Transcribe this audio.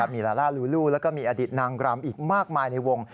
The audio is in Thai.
มีลาล่าลูลูแล้วก็มีอดิตนางรำอีกมากมายในวง